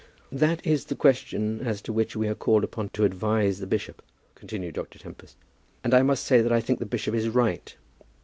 "That is the question as to which we are called upon to advise the bishop," continued Dr. Tempest. "And I must say that I think the bishop is right.